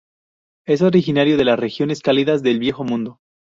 Es originario de las regiones cálidas del Viejo Mundo.